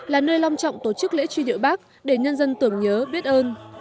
là nơi long trọng tổ chức lễ truy nhựa bác để nhân dân tưởng nhớ biết ơn